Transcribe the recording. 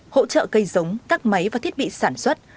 hỗ trợ cây giống các máy và thiết bị sản xuất